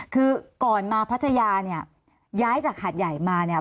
คือก่อนมาพัทยาเนี่ยย้ายจากหาดใหญ่มาเนี่ย